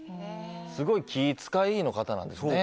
すごい気を遣う方なんですね。